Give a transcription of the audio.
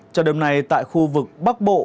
trong đêm nay tại khu vực bắc bộ